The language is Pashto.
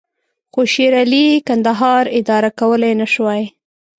خو شېرعلي کندهار اداره کولای نه شوای.